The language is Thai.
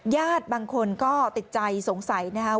ญาติบางคนก็ติดใจสงสัยนะครับ